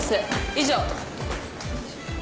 以上。